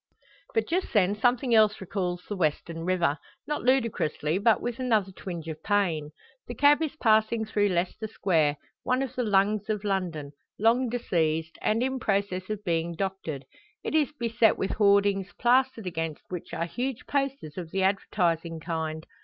But just then something else recalls the western river, not ludicrously, but with another twinge of pain. The cab is passing through Leicester Square, one of the lungs of London, long diseased, and in process of being doctored. It is beset with hoardings, plastered against which are huge posters of the advertising kind.